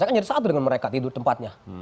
saya kan jadi satu dengan mereka tidur tempatnya